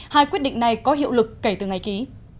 hai quyết định này có hiệu lực kể từ ngày ký